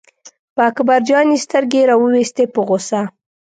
په اکبر جان یې سترګې را وویستې په غوسه.